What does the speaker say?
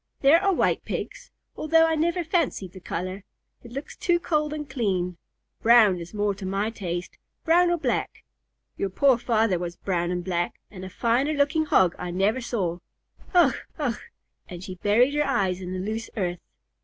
"There are white Pigs, although I never fancied the color. It looks too cold and clean. Brown is more to my taste, brown or black. Your poor father was brown and black, and a finer looking Hog I never saw. Ugh! Ugh!" And she buried her eyes in the loose earth.